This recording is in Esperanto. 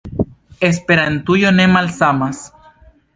Esperantujo ne malsamas.